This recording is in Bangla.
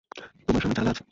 তোমার সামনে জানালা আছে।